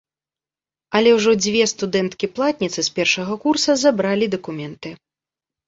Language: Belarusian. Але ўжо дзве студэнткі-платніцы з першага курса забралі дакументы.